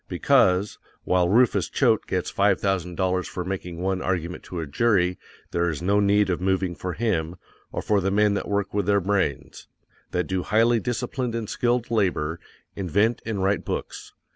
BECAUSE, WHILE RUFUS CHOATE GETS FIVE THOUSAND DOLLARS FOR MAKING ONE ARGUMENT TO A JURY, there is no need of moving for him, or for the men that work with their brains_, that do highly disciplined and skilled labor, invent, and write books.